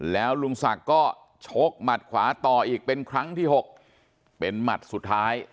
แล้วลุงศักดิ์ก็ชกหมัดขวาต่ออีกเป็นครั้งที่๖เป็นหมัดสุดท้าย